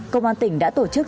công an tỉnh đã tổ chức